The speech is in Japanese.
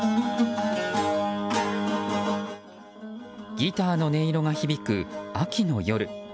ギターの音色が響く秋の夜。